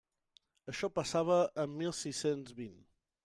Això passava en mil sis-cents vint.